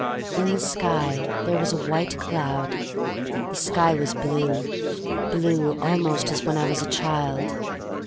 In the sky there was a white cloud. The sky was blue — blue almost as when I was a child.